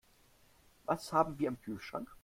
Was haben wir im Kühlschrank?